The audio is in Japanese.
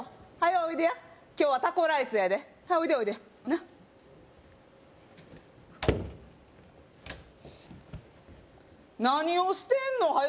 おいでや今日はタコライスやではいおいでおいでなっ何をしてんのはよ